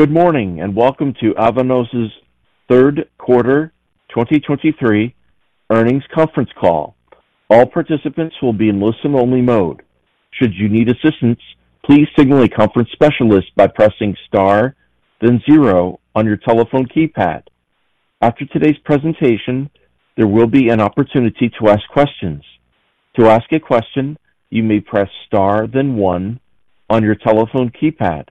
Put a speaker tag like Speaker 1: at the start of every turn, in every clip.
Speaker 1: Good morning, and welcome to Avanos' third quarter 2023 earnings conference call. All participants will be in listen-only mode. Should you need assistance, please signal a conference specialist by pressing star, then zero on your telephone keypad. After today's presentation, there will be an opportunity to ask questions. To ask a question, you may press star, then one on your telephone keypad.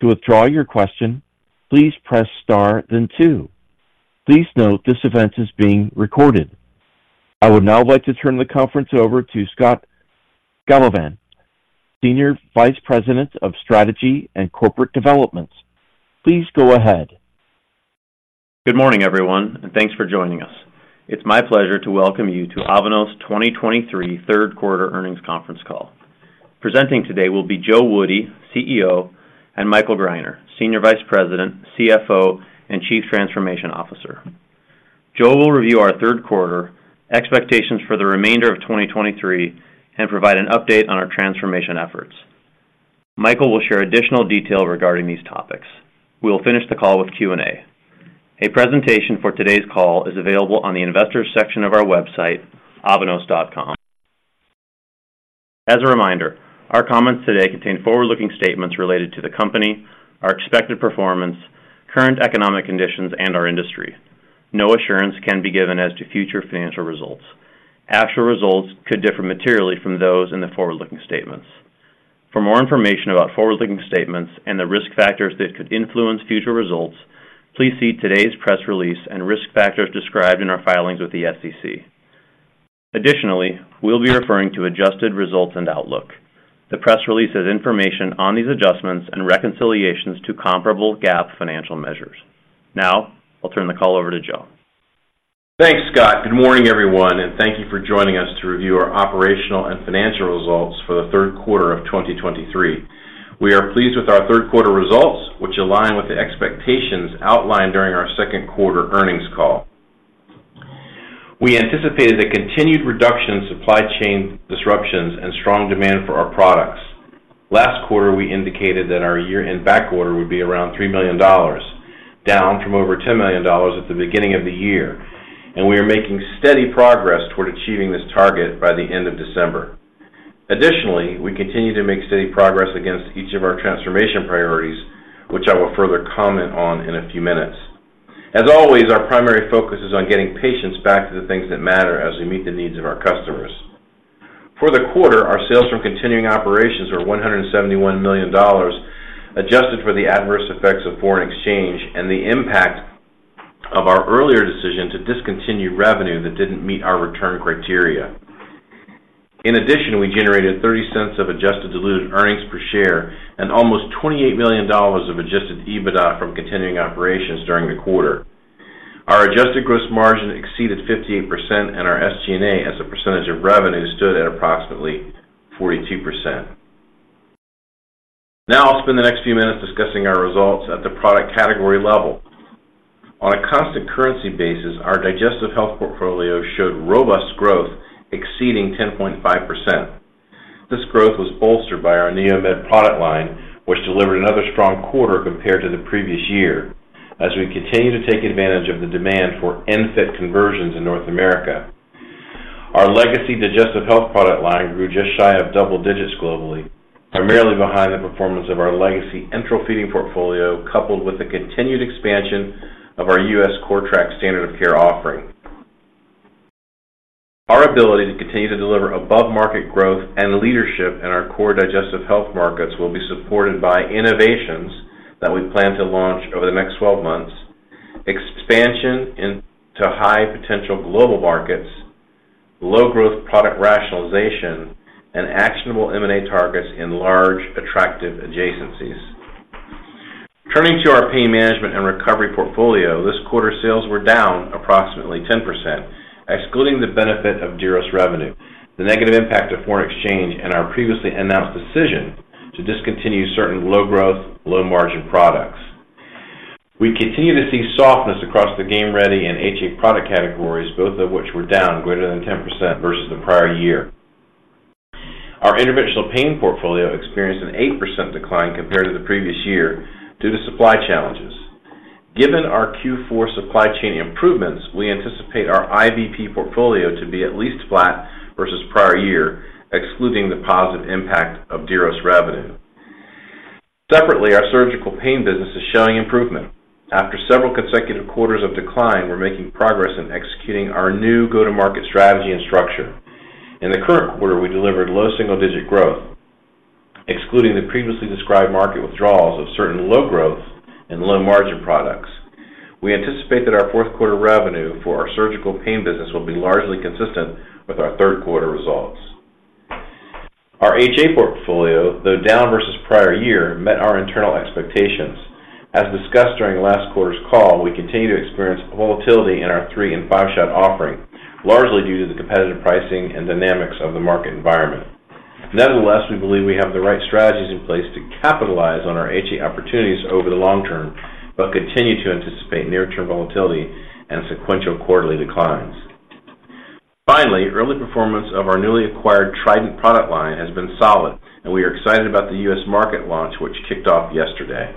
Speaker 1: To withdraw your question, please press star, then two. Please note, this event is being recorded. I would now like to turn the conference over to Scott Galovan, Senior Vice President of Strategy and Corporate Development. Please go ahead.
Speaker 2: Good morning, everyone, and thanks for joining us. It's my pleasure to welcome you to Avanos 2023 third quarter earnings conference call. Presenting today will be Joe Woody, CEO, and Michael Greiner, Senior Vice President, CFO, and Chief Transformation Officer. Joe will review our third quarter expectations for the remainder of 2023 and provide an update on our transformation efforts. Michael will share additional detail regarding these topics. We will finish the call with Q&A. A presentation for today's call is available on the investors section of our website, avanos.com. As a reminder, our comments today contain forward-looking statements related to the company, our expected performance, current economic conditions, and our industry. No assurance can be given as to future financial results. Actual results could differ materially from those in the forward-looking statements. For more information about forward-looking statements and the risk factors that could influence future results, please see today's press release and risk factors described in our filings with the SEC. Additionally, we'll be referring to adjusted results and outlook. The press release has information on these adjustments and reconciliations to comparable GAAP financial measures. Now, I'll turn the call over to Joe.
Speaker 3: Thanks, Scott. Good morning, everyone, and thank you for joining us to review our operational and financial results for the third quarter of 2023. We are pleased with our third quarter results, which align with the expectations outlined during our second quarter earnings call. We anticipated a continued reduction in supply chain disruptions and strong demand for our products. Last quarter, we indicated that our year-end backorder would be around $3 million, down from over $10 million at the beginning of the year, and we are making steady progress toward achieving this target by the end of December. Additionally, we continue to make steady progress against each of our transformation priorities, which I will further comment on in a few minutes. As always, our primary focus is on getting patients back to the things that matter as we meet the needs of our customers. For the quarter, our sales from continuing operations were $171 million, adjusted for the adverse effects of foreign exchange and the impact of our earlier decision to discontinue revenue that didn't meet our return criteria. In addition, we generated $0.30 of adjusted diluted earnings per share and almost $28 million of adjusted EBITDA from continuing operations during the quarter. Our adjusted gross margin exceeded 58% and our SG&A, as a percentage of revenue, stood at approximately 42%. Now, I'll spend the next few minutes discussing our results at the product category level. On a constant currency basis, our Digestive Health portfolio showed robust growth exceeding 10.5%. This growth was bolstered by our NeoMed product line, which delivered another strong quarter compared to the previous year, as we continue to take advantage of the demand for ENFit conversions in North America. Our legacy digestive health product line grew just shy of double digits globally, primarily behind the performance of our legacy enteral feeding portfolio, coupled with the continued expansion of our U.S. CORTRAK standard of care offering. Our ability to continue to deliver above-market growth and leadership in our core digestive health markets will be supported by innovations that we plan to launch over the next 12 months, expansion into high-potential global markets, low growth product rationalization, and actionable M&A targets in large, attractive adjacencies. Turning to our Pain Management and Recovery portfolio, this quarter sales were down approximately 10%, excluding the benefit of Diros revenue, the negative impact of foreign exchange, and our previously announced decision to discontinue certain low-growth, low-margin products. We continue to see softness across the Game Ready and HA product categories, both of which were down greater than 10% versus the prior year. Our Interventional Pain portfolio experienced an 8% decline compared to the previous year due to supply challenges. Given our Q4 supply chain improvements, we anticipate our IVP portfolio to be at least flat versus prior year, excluding the positive impact of Diros revenue. Separately, our Surgical Pain business is showing improvement. After several consecutive quarters of decline, we're making progress in executing our new go-to-market strategy and structure. In the current quarter, we delivered low single-digit growth, excluding the previously described market withdrawals of certain low-growth and low-margin products. We anticipate that our fourth quarter revenue for our Surgical Pain business will be largely consistent with our third quarter results. Our HA portfolio, though down versus prior year, met our internal expectations. As discussed during last quarter's call, we continue to experience volatility in our three- and five-shot offering, largely due to the competitive pricing and dynamics of the market environment. Nonetheless, we believe we have the right strategies in place to capitalize on our HA opportunities over the long term, but continue to anticipate near-term volatility and sequential quarterly declines. Finally, early performance of our newly acquired Trident product line has been solid, and we are excited about the U.S. market launch, which kicked off yesterday.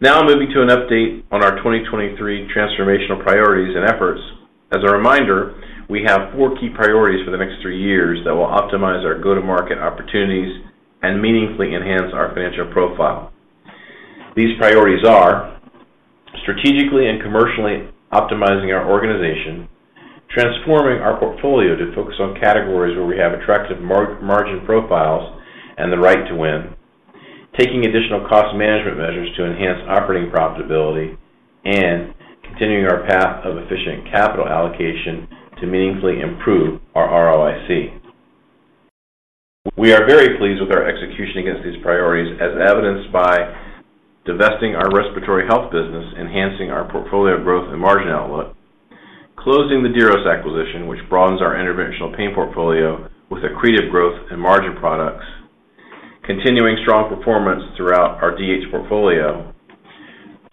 Speaker 3: Now moving to an update on our 2023 transformational priorities and efforts. As a reminder, we have four key priorities for the next three years that will optimize our go-to-market opportunities and meaningfully enhance our financial profile. These priorities are: strategically and commercially optimizing our organization, transforming our portfolio to focus on categories where we have attractive margin profiles and the right to win, taking additional cost management measures to enhance operating profitability, and continuing our path of efficient capital allocation to meaningfully improve our ROIC. We are very pleased with our execution against these priorities, as evidenced by divesting our respiratory health business, enhancing our portfolio growth and margin outlook, closing the Diros acquisition, which broadens our Interventional Pain portfolio with accretive growth and margin products, continuing strong performance throughout our DH portfolio,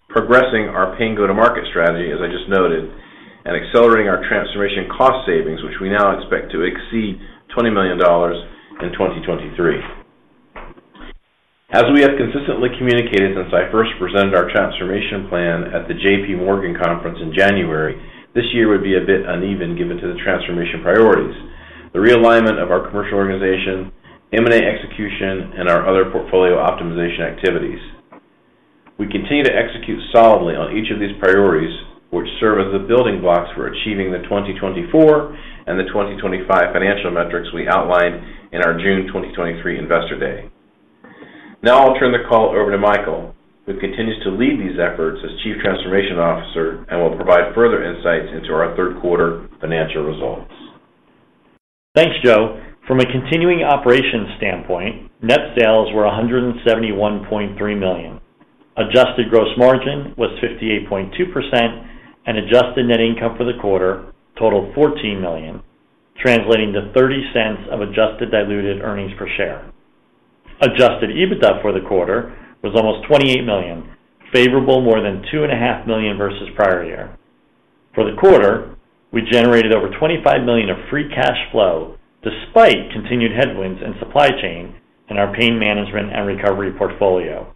Speaker 3: progressing our pain go-to-market strategy, as I just noted, and accelerating our transformation cost savings, which we now expect to exceed $20 million in 2023. As we have consistently communicated since I first presented our transformation plan at the J.P. Morgan conference in January, this year would be a bit uneven given to the transformation priorities, the realignment of our commercial organization, M&A execution, and our other portfolio optimization activities. We continue to execute solidly on each of these priorities, which serve as the building blocks for achieving the 2024 and the 2025 financial metrics we outlined in our June 2023 Investor Day. Now I'll turn the call over to Michael, who continues to lead these efforts as Chief Transformation Officer and will provide further insights into our third quarter financial results.
Speaker 4: Thanks, Joe. From a continuing operations standpoint, net sales were $171.3 million. Adjusted gross margin was 58.2%, and adjusted net income for the quarter totaled $14 million, translating to $0.30 of adjusted diluted earnings per share. Adjusted EBITDA for the quarter was almost $28 million, favorable more than $2.5 million versus prior year. For the quarter, we generated over $25 million of free cash flow, despite continued headwinds in supply chain in our Pain Management and Recovery portfolio.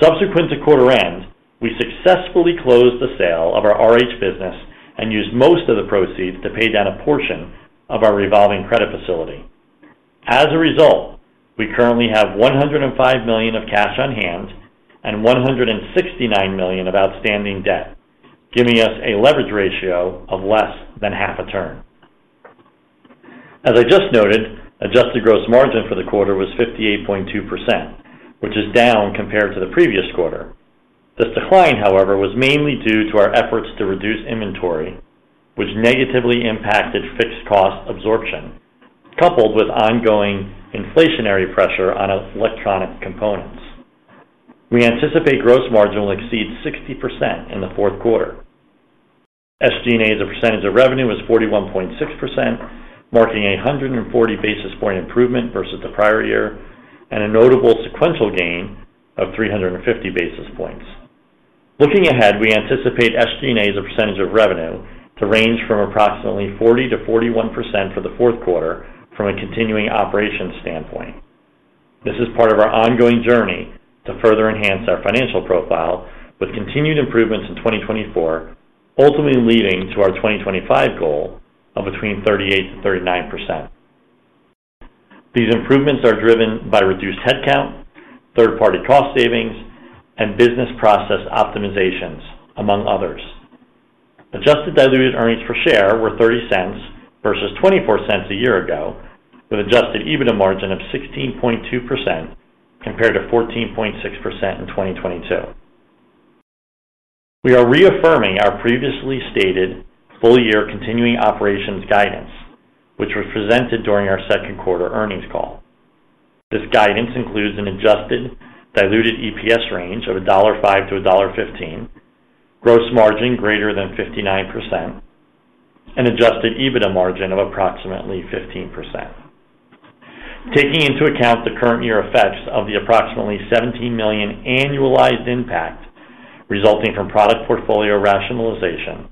Speaker 4: Subsequent to quarter end, we successfully closed the sale of our RH business and used most of the proceeds to pay down a portion of our revolving credit facility. As a result, we currently have $105 million of cash on hand and $169 million of outstanding debt, giving us a leverage ratio of less than 1/2 a turn. As I just noted, adjusted gross margin for the quarter was 58.2%, which is down compared to the previous quarter. This decline, however, was mainly due to our efforts to reduce inventory, which negatively impacted fixed cost absorption, coupled with ongoing inflationary pressure on electronic components. We anticipate gross margin will exceed 60% in the fourth quarter. SG&A, as a percentage of revenue, was 41.6%, marking a 140 basis point improvement versus the prior year, and a notable sequential gain of 350 basis points. Looking ahead, we anticipate SG&A as a percentage of revenue to range from approximately 40%-41% for the fourth quarter from a continuing operations standpoint. This is part of our ongoing journey to further enhance our financial profile, with continued improvements in 2024, ultimately leading to our 2025 goal of between 38%-39%. These improvements are driven by reduced headcount, third-party cost savings, and business process optimizations, among others. Adjusted diluted earnings per share were $0.30 versus $0.24 a year ago, with adjusted EBITDA margin of 16.2% compared to 14.6% in 2022. We are reaffirming our previously stated full-year continuing operations guidance, which was presented during our second quarter earnings call. This guidance includes an adjusted diluted EPS range of $5-$15, gross margin greater than 59%, and adjusted EBITDA margin of approximately 15%. Taking into account the current year effects of the approximately $17 million annualized impact resulting from product portfolio rationalization,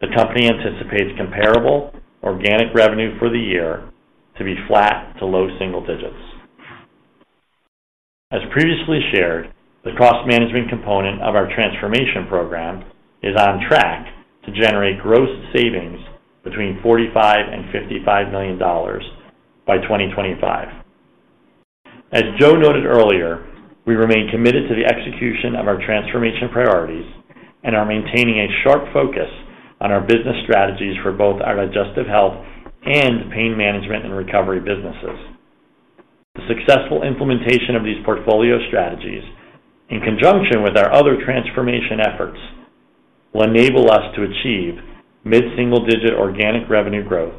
Speaker 4: the company anticipates comparable organic revenue for the year to be flat to low single digits. As previously shared, the cost management component of our transformation program is on track to generate gross savings between $45 million and $55 million by 2025. As Joe noted earlier, we remain committed to the execution of our transformation priorities and are maintaining a sharp focus on our business strategies for both our Digestive Health and Pain Management and Recovery businesses. The successful implementation of these portfolio strategies, in conjunction with our other transformation efforts, will enable us to achieve mid-single-digit organic revenue growth,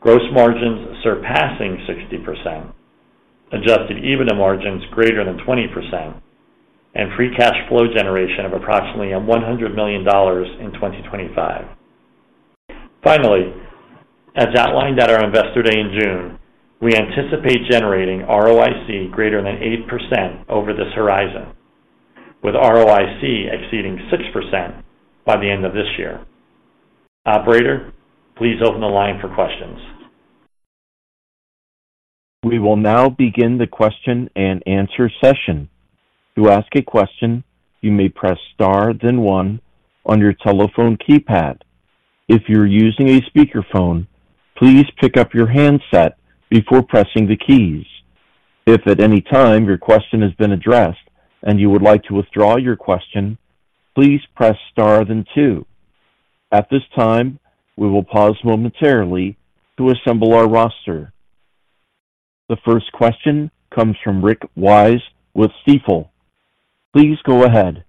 Speaker 4: gross margins surpassing 60%, adjusted EBITDA margins greater than 20%, and free cash flow generation of approximately $100 million in 2025. Finally, as outlined at our Investor Day in June, we anticipate generating ROIC greater than 8% over this horizon... with ROIC exceeding 6% by the end of this year. Operator, please open the line for questions.
Speaker 1: We will now begin the question-and-answer session. To ask a question, you may press star then one on your telephone keypad. If you're using a speakerphone, please pick up your handset before pressing the keys. If at any time your question has been addressed and you would like to withdraw your question, please press star then two. At this time, we will pause momentarily to assemble our roster. The first question comes from Rick Wise with Stifel. Please go ahead.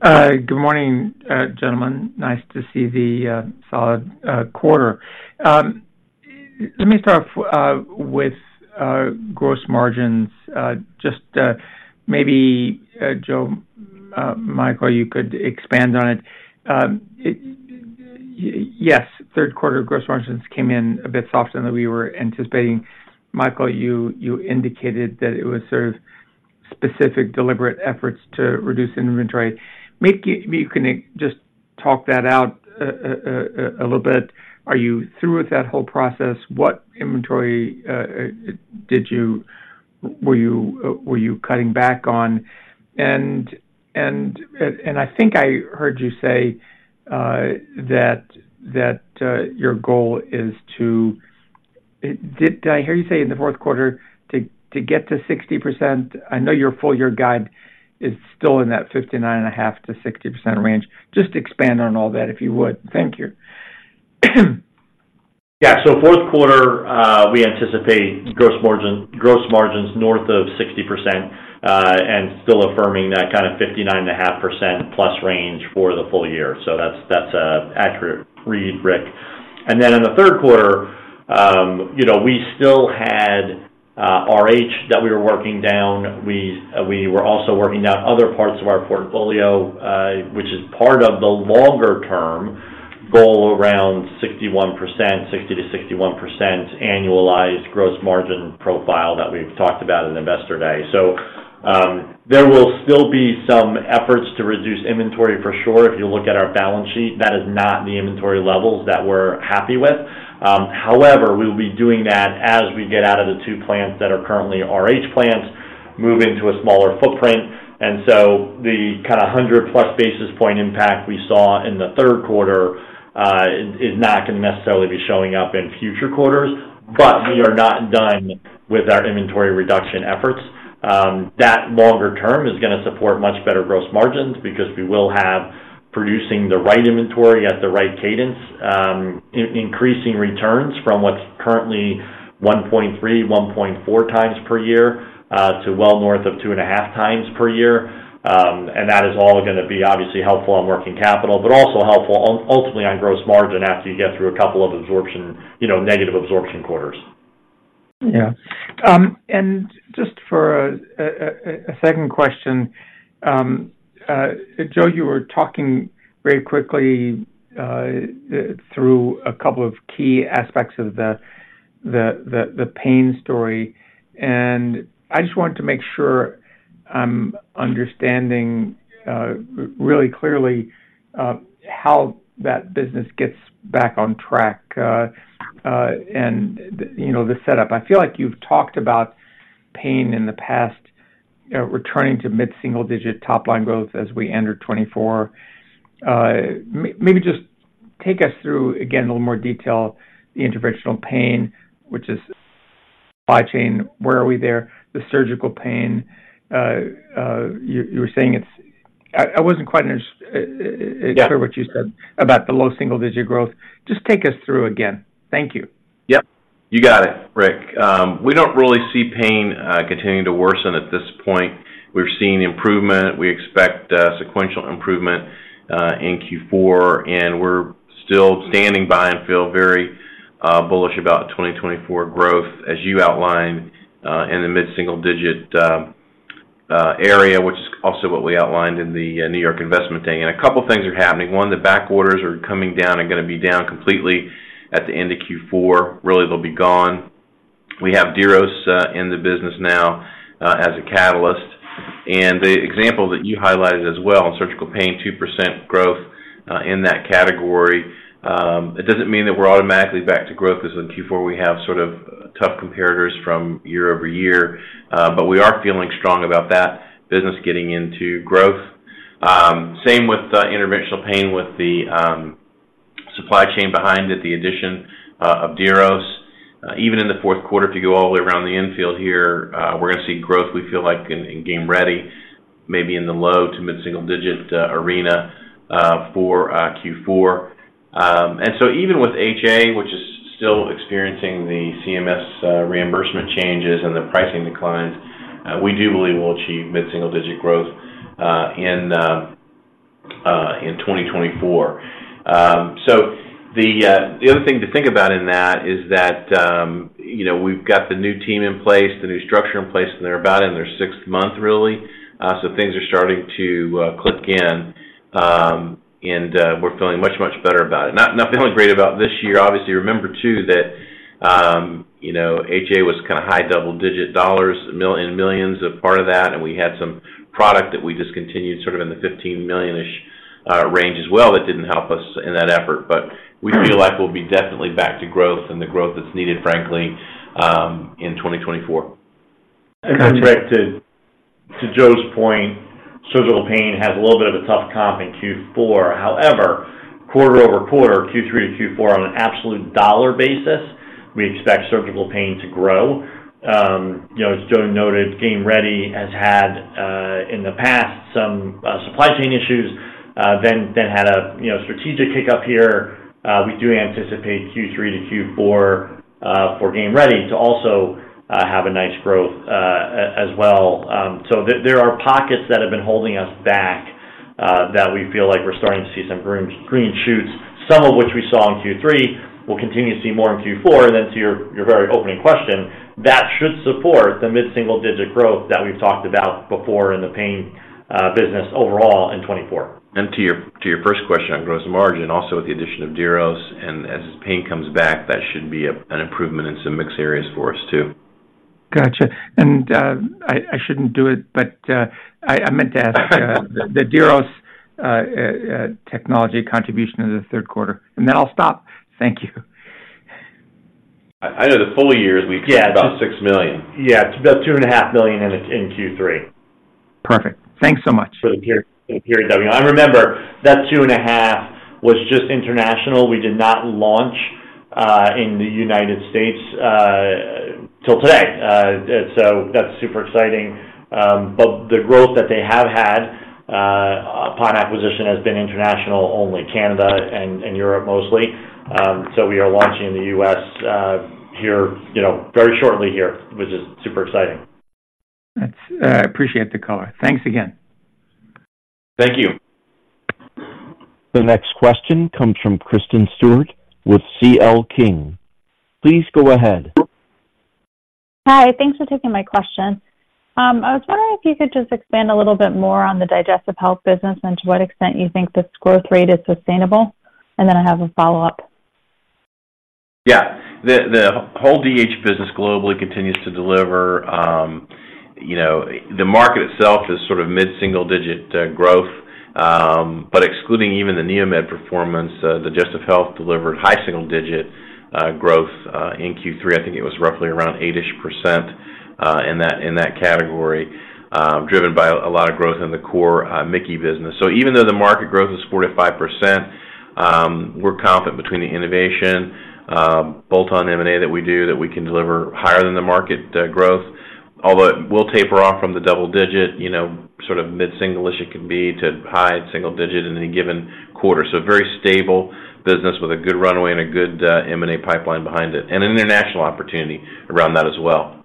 Speaker 5: Good morning, gentlemen. Nice to see the solid quarter. Let me start off with gross margins. Just maybe Joe, Michael, you could expand on it. Yes, third quarter gross margins came in a bit softer than we were anticipating. Michael, you indicated that it was sort of specific, deliberate efforts to reduce inventory. Maybe you can just talk that out a little bit. Are you through with that whole process? What inventory were you cutting back on? And I think I heard you say that your goal is to... Did I hear you say in the fourth quarter to get to 60%? I know your full year guide is still in that 59.5%-60% range. Just expand on all that, if you would. Thank you.
Speaker 4: Yeah. So fourth quarter, we anticipate gross margin - gross margins north of 60%, and still affirming that kind of 59.5%+ range for the full year. So that's, that's an accurate read, Rick. And then in the third quarter, you know, we still had, RH that we were working down. We, we were also working down other parts of our portfolio, which is part of the longer term goal, around 61%, 60%-61% annualized gross margin profile that we've talked about in Investor Day. So, there will still be some efforts to reduce inventory for sure. If you look at our balance sheet, that is not the inventory levels that we're happy with. However, we will be doing that as we get out of the two plants that are currently RH plans, moving to a smaller footprint. And so the kind of 100+ basis point impact we saw in the third quarter is not going to necessarily be showing up in future quarters, but we are not done with our inventory reduction efforts. That longer term is gonna support much better gross margins because we will have producing the right inventory at the right cadence, increasing returns from what's currently 1.3, 1.4 times per year to well north of 2.5 times per year. And that is all gonna be obviously helpful on working capital, but also helpful ultimately on gross margin after you get through a couple of absorption, you know, negative absorption quarters.
Speaker 5: Yeah. And just for a second question. Joe, you were talking very quickly through a couple of key aspects of the pain story, and I just wanted to make sure I'm understanding really clearly how that business gets back on track, and, you know, the setup. I feel like you've talked about pain in the past returning to mid-single digit top line growth as we enter 2024. Maybe just take us through again a little more detail the interventional pain, which is supply chain. Where are we there? The surgical pain, you were saying it's... I wasn't quite as -
Speaker 3: Yeah.
Speaker 5: Not sure what you said about the low single-digit growth. Just take us through again. Thank you.
Speaker 3: Yep. You got it, Rick. We don't really see pain continuing to worsen at this point. We're seeing improvement. We expect sequential improvement in Q4, and we're still standing by and feel very bullish about 2024 growth, as you outlined in the mid-single digit area, which is also what we outlined in the New York Investor Day. A couple of things are happening. One, the back orders are coming down and gonna be down completely at the end of Q4. Really, they'll be gone. We have Diros in the business now as a catalyst. And the example that you highlighted as well, surgical pain, 2% growth in that category. It doesn't mean that we're automatically back to growth, because in Q4 we have sort of tough comparators from year-over-year, but we are feeling strong about that business getting into growth. Same with interventional pain, with the supply chain behind it, the addition of Diros. Even in the fourth quarter, if you go all the way around the infield here uh, we're gonna see growth we feel like in Game Ready, maybe in the low- to mid-single-digit arena, for Q4. And so even with HA, which is still experiencing the CMS reimbursement changes and the pricing declines, we do believe we'll achieve mid-single-digit growth in 2024. So the, the other thing to think about in that is that, you know, we've got the new team in place, the new structure in place, and they're about in their sixth month, really. So things are starting to click in, and we're feeling much, much better about it. Not, not feeling great about this year. Obviously, remember, too, that-... You know, HA was kind of high double-digit dollars in millions as part of that, and we had some product that we discontinued, sort of in the $15 million-ish range as well. That didn't help us in that effort, but we feel like we'll be definitely back to growth and the growth that's needed, frankly, in 2024.
Speaker 4: Contrary to Joe's point, surgical pain has a little bit of a tough comp in Q4. However, quarter over quarter, Q3 to Q4 on an absolute dollar basis, we expect surgical pain to grow. You know, as Joe noted, Game Ready has had in the past some supply chain issues, then had a strategic hiccup here. We do anticipate Q3 to Q4 for Game Ready to also have a nice growth as well. So there are pockets that have been holding us back that we feel like we're starting to see some green shoots, some of which we saw in Q3. We'll continue to see more in Q4. And then to your, your very opening question, that should support the mid-single-digit growth that we've talked about before in the pain, business overall in 2024.
Speaker 3: To your first question on gross margin, also with the addition of Diros, and as pain comes back, that should be an improvement in some mixed areas for us too.
Speaker 5: Gotcha. And, I shouldn't do it, but, I meant to ask, the Diros technology contribution in the third quarter, and then I'll stop. Thank you.
Speaker 3: I know the full year we've said about $6 million.
Speaker 4: Yeah, it's about $2.5 million, and it's in Q3.
Speaker 5: Perfect. Thanks so much.
Speaker 3: For the period. Remember, that 2.5 was just international. We did not launch in the United States till today. So that's super exciting. But the growth that they have had upon acquisition has been international, only Canada and Europe mostly. So we are launching in the U.S. here, you know, very shortly here, which is super exciting.
Speaker 5: That's... I appreciate the call. Thanks again.
Speaker 3: Thank you.
Speaker 1: The next question comes from Kristen Stewart with C.L. King. Please go ahead.
Speaker 6: Hi, thanks for taking my question. I was wondering if you could just expand a little bit more on the digestive health business and to what extent you think this growth rate is sustainable. Then I have a follow-up.
Speaker 3: Yeah. The whole DH business globally continues to deliver, you know, the market itself is sort of mid-single digit growth. But excluding even the NeoMed performance, Digestive Health delivered high single digit growth in Q3. I think it was roughly around 8-ish% in that category, driven by a lot of growth in the core MIC-KEY business. So even though the market growth is 45%, we're confident between the innovation, bolt-on M&A that we do, that we can deliver higher than the market growth. Although it will taper off from the double digit, you know, sort of mid-single as it can be, to high single digit in any given quarter. So very stable business with a good runway and a good M&A pipeline behind it, and an international opportunity around that as well.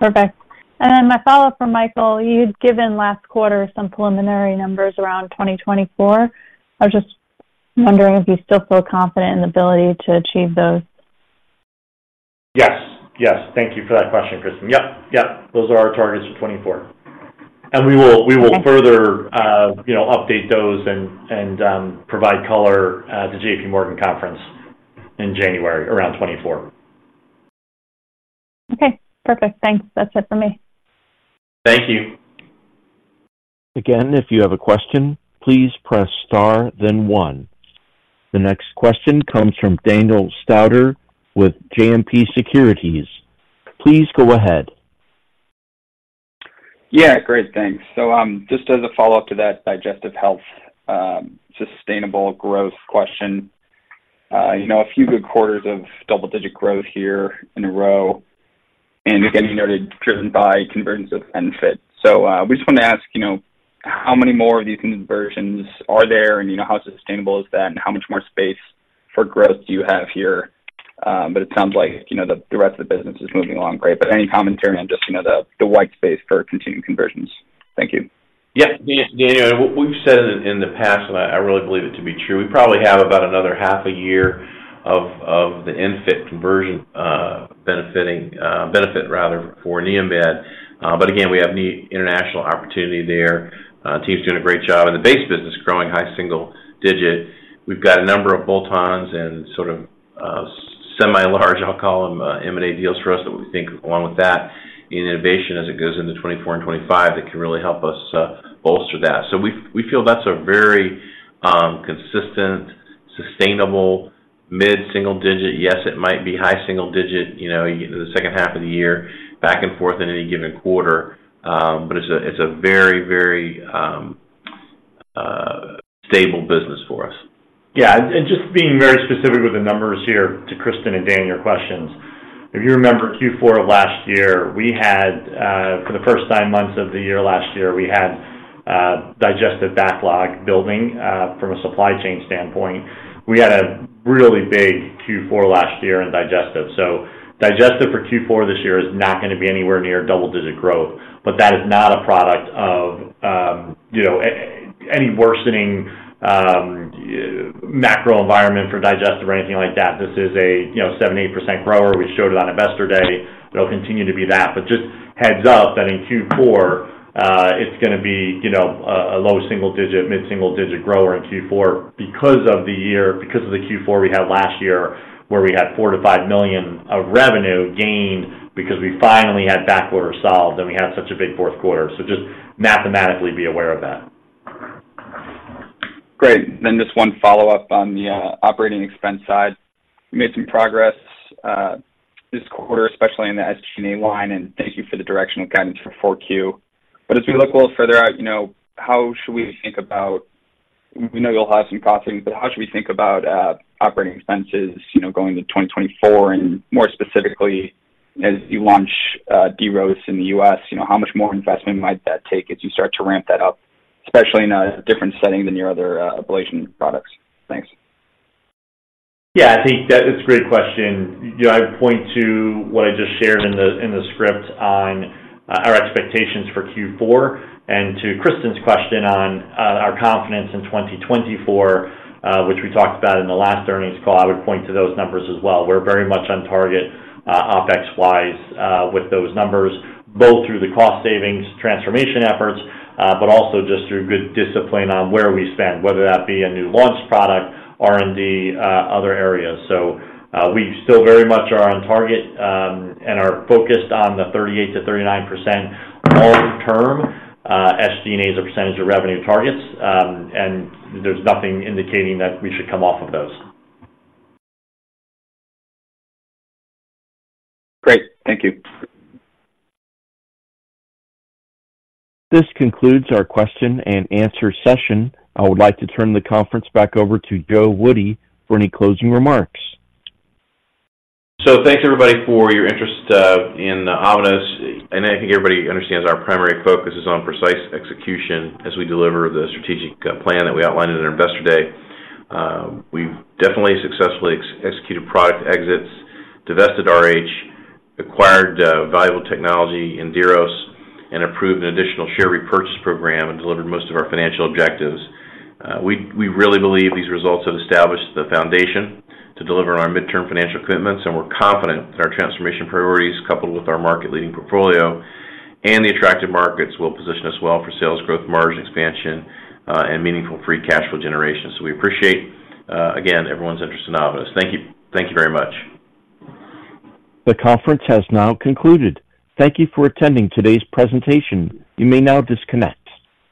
Speaker 6: Perfect. And then my follow-up for Michael: you'd given last quarter some preliminary numbers around 2024. I was just wondering if you still feel confident in the ability to achieve those?
Speaker 4: Yes. Yes. Thank you for that question, Kristen. Yep. Yep. Those are our targets for 2024.
Speaker 6: Okay.
Speaker 4: We will further, you know, update those and provide color at the J.P. Morgan conference in January 2024.
Speaker 6: Okay, perfect. Thanks. That's it for me.
Speaker 4: Thank you.
Speaker 1: Again, if you have a question, please press Star, then One. The next question comes from Daniel Stauder with JMP Securities. Please go ahead.
Speaker 7: Yeah, great, thanks. So, just as a follow-up to that Digestive Health sustainable growth question. You know, a few good quarters of double-digit growth here in a row, and again, you noted, driven by conversions of ENFit. So, we just wanted to ask, you know, how many more of these conversions are there, and, you know, how sustainable is that, and how much more space for growth do you have here? But it sounds like, you know, the, the rest of the business is moving along great, but any commentary on just, you know, the, the white space for continued conversions? Thank you.
Speaker 3: Yeah. Yeah, Daniel, we've said it in the past, and I really believe it to be true. We probably have about another half a year of the ENFit conversion benefiting, benefit rather for NeoMed. But again, we have new international opportunity there. Team's doing a great job in the base business, growing high single digit. We've got a number of bolt-ons and sort of semi-large, I'll call them, M&A deals for us that we think, along with that, in innovation as it goes into 2024 and 2025, that can really help us bolster that. So we feel that's a very consistent, sustainable mid-single digit. Yes, it might be high single digit, you know, in the second half of the year, back and forth in any given quarter. But it's a very, very stable business for us.
Speaker 4: Yeah, and just being very specific with the numbers here, to Kristen and Dan, your questions. If you remember, Q4 of last year, we had, for the first nine months of the year last year, we had, digestive backlog building, from a supply chain standpoint. We had a really big Q4 last year in digestive. So digestive for Q4 this year is not gonna be anywhere near double-digit growth. But that is not a product of, you know, any worsening, macro environment for digestive or anything like that. This is a, you know, 70%-80% grower. We showed it on Investor Day. It'll continue to be that. But just heads up that in Q4, it's gonna be, you know, a low single digit, mid-single digit grower in Q4 because of the year, because of the Q4 we had last year, where we had $4 million-$5 million of revenue gained because we finally had backorder solved, and we had such a big fourth quarter. So just mathematically, be aware of that.
Speaker 7: Great. Then just one follow-up on the operating expense side. You made some progress this quarter, especially in the SG&A line, and thank you for the directional guidance for 4Q. But as we look a little further out, you know, how should we think about. We know you'll have some cost savings, but how should we think about operating expenses, you know, going into 2024? And more specifically, as you launch Diros in the U.S., you know, how much more investment might that take as you start to ramp that up, especially in a different setting than your other ablation products? Thanks.
Speaker 4: Yeah, I think that is a great question. You know, I would point to what I just shared in the script on our expectations for Q4, and to Kristen's question on our confidence in 2024, which we talked about in the last earnings call. I would point to those numbers as well. We're very much on target OpEx-wise with those numbers, both through the cost savings transformation efforts, but also just through good discipline on where we spend, whether that be a new launch product, R&D, other areas. So, we still very much are on target, and are focused on the 38%-39% long term SG&A as a percentage of revenue targets, and there's nothing indicating that we should come off of those.
Speaker 7: Great. Thank you.
Speaker 1: This concludes our question and answer session. I would like to turn the conference back over to Joe Woody for any closing remarks.
Speaker 4: So thanks, everybody, for your interest in Avanos, and I think everybody understands our primary focus is on precise execution as we deliver the strategic plan that we outlined in our Investor Day. We've definitely successfully executed product exits, divested RH, acquired valuable technology in Diros, and approved an additional share repurchase program and delivered most of our financial objectives. We really believe these results have established the foundation to deliver on our midterm financial commitments, and we're confident that our transformation priorities, coupled with our market-leading portfolio and the attractive markets, will position us well for sales growth, margin expansion, and meaningful free cash flow generation. So we appreciate again everyone's interest in Avanos. Thank you. Thank you very much.
Speaker 1: The conference has now concluded. Thank you for attending today's presentation. You may now disconnect.